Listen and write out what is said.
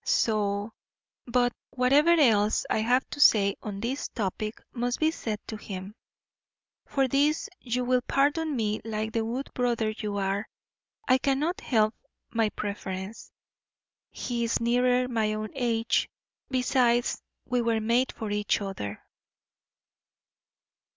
So But whatever else I have to say on this topic must be said to him. For this you will pardon me like the good brother you are. I cannot help my preference. He is nearer my own age; besides, we were made for each other.